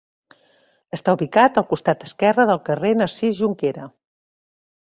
Està ubicat al costat esquerre del carrer Narcís Jonquera.